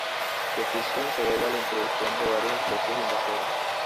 Su extinción se debe a la introducción de varias especies invasoras.